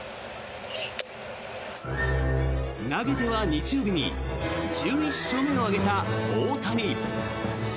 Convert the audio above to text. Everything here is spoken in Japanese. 投げては日曜日に１１勝目を挙げた大谷。